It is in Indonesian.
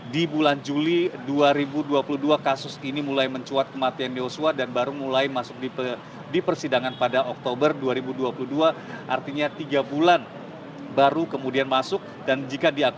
di bulan juli dua ribu dua puluh dua kasus ini mulai mencuat kematian yosua dan baru mulai masuk di persidangan pada oktober dua ribu dua puluh dua artinya tiga bulan baru kemudian masuk